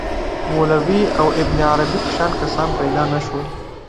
مولوی او ابن عربي په شان کسان پیدا نه شول.